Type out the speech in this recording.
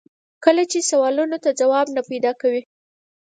کله چې سوالونو ته ځواب نه پیدا کوي.